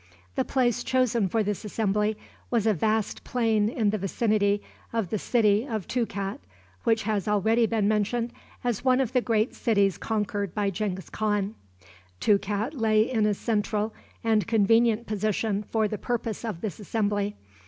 The place chosen for this assembly was a vast plain in the vicinity of the city of Toukat, which has already been mentioned as one of the great cities conquered by Genghis Khan. Toukat lay in a central and convenient position for the purpose of this assembly.